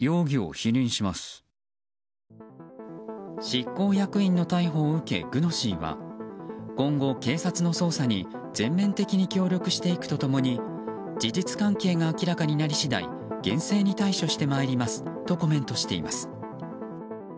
執行役員の逮捕を受けＧｕｎｏｓｙは今後、警察の捜査に全面的に協力していくと共に事実関係が明らかになり次第厳正に対処してまいりますとコメントしています。